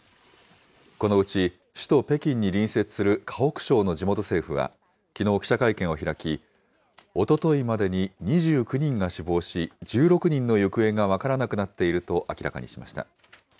このうち首都北京に隣接する河北省の地元政府は、きのう、記者会見を開き、おとといまでに２９人が死亡し、１６人の行方が分からなくなっていると明らかにしました。